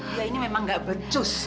ya ini memang gak becus